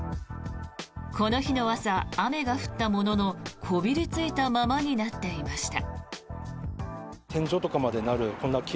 この日の朝、雨が降ったもののこびりついたままになっていました。